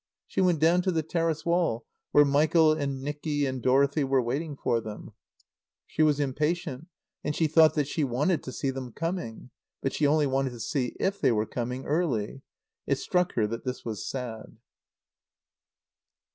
She went down to the terrace wall where Michael and Nicky and Dorothy were watching for them. She was impatient, and she thought that she wanted to see them coming. But she only wanted to see if they were coming early. It struck her that this was sad.